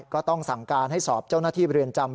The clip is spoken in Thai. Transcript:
ก็ต้องสั่งการให้สอบเจ้าหน้าที่เรือนจำ